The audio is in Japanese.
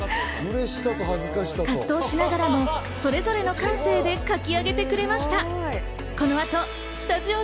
葛藤しながらもそれぞれの感性で描き上げてくれました。